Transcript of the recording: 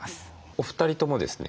お二人ともですね